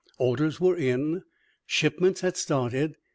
Orders were in, shipments had started.